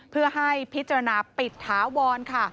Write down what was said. เพื่อให้พิจารณาปิดถาวรค่ะ